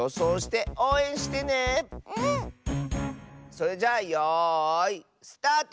それじゃあよいスタート！